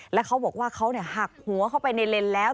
แล้วเขาบอกว่าเขาหักหัวเข้าไปในเลนแล้ว